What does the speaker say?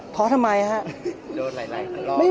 ท้อทำไมครับ